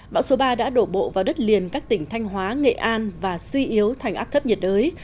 bão số ba đã đổ bộ vào đất liền các tỉnh thanh hóa nghệ an và suy yếu thành áp thấp nhiệt đới